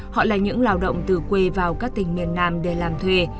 họ là những lao động từ quê vào các tỉnh miền nam để làm thuê